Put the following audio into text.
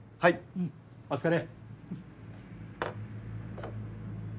うんお疲れ。